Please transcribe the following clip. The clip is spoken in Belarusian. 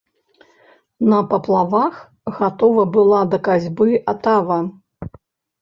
На паплавах гатова была да касьбы атава.